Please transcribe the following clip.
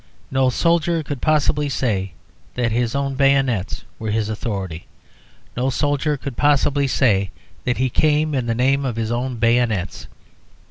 No soldier could possibly say that his own bayonets were his authority. No soldier could possibly say that he came in the name of his own bayonets.